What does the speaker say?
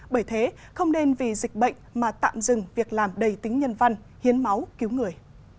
bởi thế không nên vì dịch bệnh mà tạm dừng việc làm đầy tính nhân văn hiến máu cứu người